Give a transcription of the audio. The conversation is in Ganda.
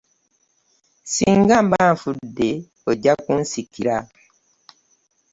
Ssinga mba nfudde ojja kunsikira.